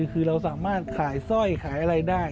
คือเราสามารถขายสร้อยขายอะไรได้